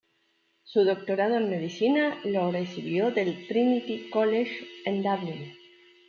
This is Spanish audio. Su doctorado en medicina lo recibió del Trinity College en Dublín.